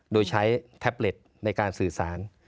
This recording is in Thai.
โดยใช้แท็บเล็ตในการสื่อสาร